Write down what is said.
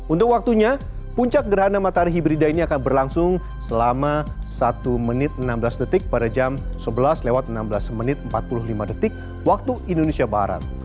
untuk waktunya puncak gerhana matahari hibrida ini akan berlangsung selama satu menit enam belas detik pada jam sebelas lewat enam belas menit empat puluh lima detik waktu indonesia barat